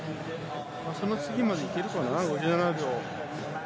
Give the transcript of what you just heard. その次もいけるかな？